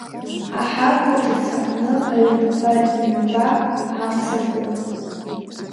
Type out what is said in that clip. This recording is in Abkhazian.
Аҳабла ҿыц аҟны аҩнқәа ҩҩба амца ркуп.